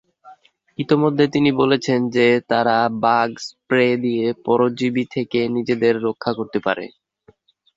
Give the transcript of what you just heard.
ইতোমধ্যে, তিনি বলেছেন যে তারা বাগ স্প্রে দিয়ে পরজীবী থেকে নিজেদের রক্ষা করতে পারে।